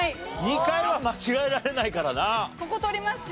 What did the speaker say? ２回は間違えられないからな。